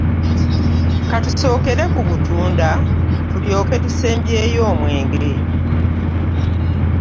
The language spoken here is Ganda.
Ka tusookere ku butunda tulyoke tusembyeyo omwenge.